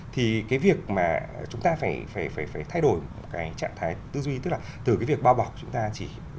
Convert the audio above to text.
thì cái việc mà chúng ta phải thay đổi cái trạng thái tư duy tức là từ cái việc bao bọc chúng ta chỉ